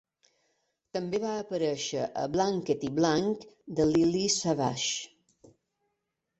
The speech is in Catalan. També va aparèixer a Blankety Blank de Lily Savage.